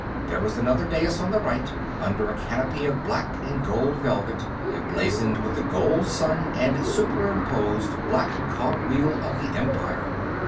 There was another dais on the right, under a canopy of black and gold velvet, emblazoned with the gold sun and superimposed black cogwheel of the Empire.